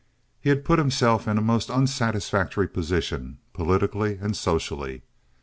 He had put himself in a most unsatisfactory position, politically and socially.